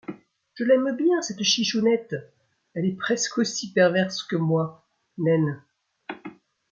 Je l’aime bien cette chichounette, elle est presque aussi perverse que moi, naine !